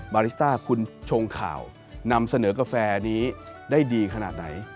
บาริสต้าคุณชงข่าวนำเสนอกาแฟนี้ได้ดีขนาดไหน